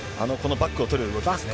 バックを取る動きですね。